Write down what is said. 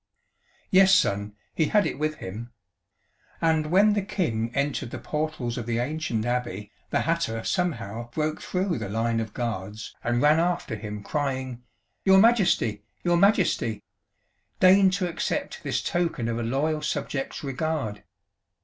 "Yes, Son, he had it with him. And when the King entered the portals of the ancient Abbey, the hatter somehow broke through the line of guards and ran after him crying 'Your Majesty! Your Majesty! Deign to accept this token of a loyal subject's regard!'